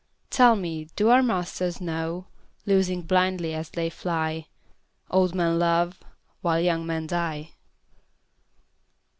Tell me, do our masters know, Loosing blindly as they fly, Old men love while young men die?